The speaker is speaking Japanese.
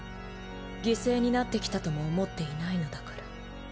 犠牲になってきたとも思っていないのだから。